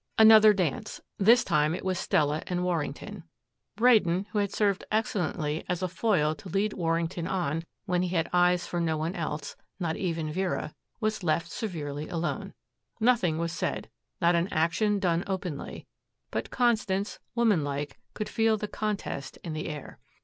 Another dance. This time it was Stella and Warrington. Braden, who had served excellently as a foil to lead Warrington on when he had eyes for no one else, not even Vera, was left severely alone. Nothing was said, not an action done openly, but Constance, woman like, could feel the contest in the air.